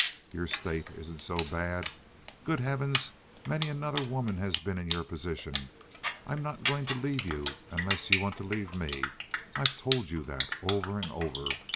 Your state isn't so bad. Good heavens! many another woman has been in your position. I'm not going to leave you unless you want to leave me. I've told you that over and over.